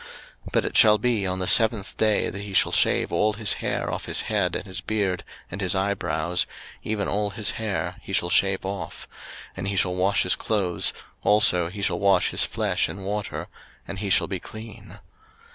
03:014:009 But it shall be on the seventh day, that he shall shave all his hair off his head and his beard and his eyebrows, even all his hair he shall shave off: and he shall wash his clothes, also he shall wash his flesh in water, and he shall be clean.